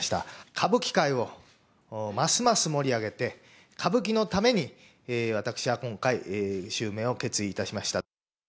歌舞伎界をますます盛り上げて、歌舞伎のために、私は今回、襲名を決意いたしました。